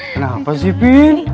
kenapa sih pin